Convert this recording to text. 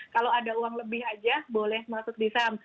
kalau ada uang lebih aja boleh masuk di saham